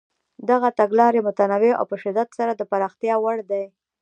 دغه تګلارې متنوع او په شدت سره د پراختیا وړ دي.